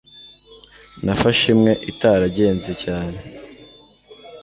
nafashe imwe itaragenze cyane